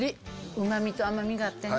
うまみと甘みがあってね。